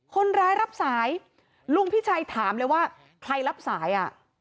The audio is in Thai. คนร้ายรับสายลุงพิชัยถามเลยว่าใครรับสายอ่ะ